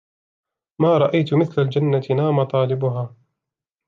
مَا رَأَيْت مِثْلَ الْجَنَّةِ نَامَ طَالِبُهَا